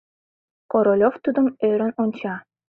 Королёв тудым ӧрын онча.